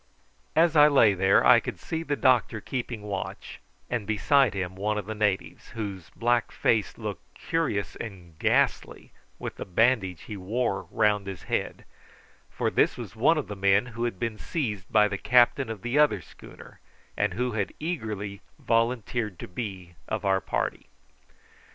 As I lay there I could see the doctor keeping watch, and beside him one of the natives, whose black face looked curious and ghastly with the bandage he wore round his head, for this was one of the men who had been seized by the captain of the other schooner, and who had eagerly volunteered to be of our party.